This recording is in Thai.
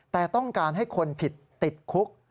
แต่ต้องการให้คนผิดติดคุก